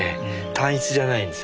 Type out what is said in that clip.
単一じゃないんですよね。